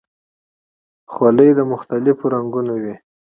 خولۍ د مختلفو رنګونو وي.